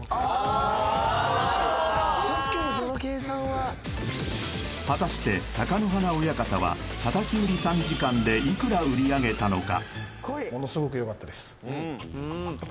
あ確かに確かにその計算は果たして貴乃花親方は叩き売り３時間でいくら売り上げたのか？